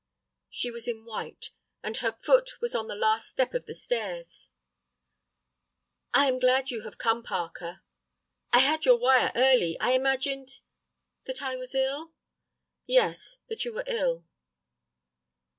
She was in white, and her foot was on the last step of the stairs. "I am glad that you have come, Parker." "I had your wire early. I imagined—" "That I was ill?" "Yes, that you were ill."